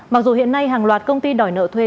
mặc dù hiện nay hàng loạt công ty đòi nợ thuê